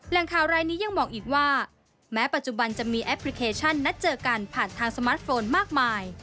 ข่าวรายนี้ยังบอกอีกว่าแม้ปัจจุบันจะมีแอปพลิเคชันนัดเจอกันผ่านทางสมาร์ทโฟนมากมาย